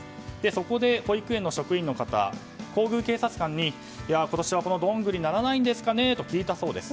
そこで、保育園の職員の方皇宮警察官に今年は、どんぐりならないんですかねと聞いたそうです。